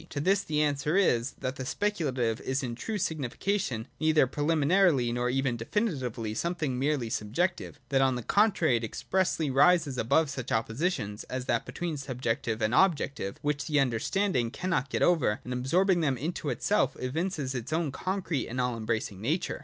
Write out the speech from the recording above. To this the answer is, that the speculative is in its true signification, neither preliminarily nor even definitively, something merely subjective : that, on the contrary, it expressly rises above such oppositions as that between subjective and objective, which the under 154 LOGIC DEFINED AND DIVIDED. [82. standing cannot get over, and absorbing them in itself, evinces its own concrete and all embracing nature.